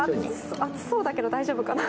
熱そうだけど大丈夫かな？